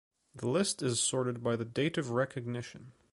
The list is sorted by the date of recognition.